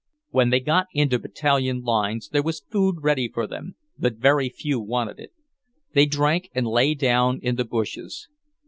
When they got into Battalion lines there was food ready for them, but very few wanted it. They drank and lay down in the bushes.